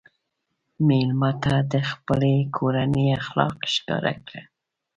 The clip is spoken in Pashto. مېلمه ته د خپلې کورنۍ اخلاق ښکاره کړه.